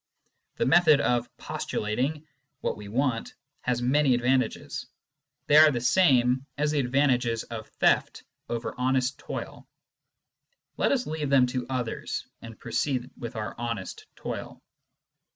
The method of "postulating " what we want has many advan tages ; they are the same as the advantages of theft over honest toil. Let us leave them to others and proceed with our honest toil.